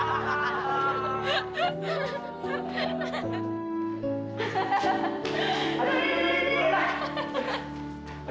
aduh ini udah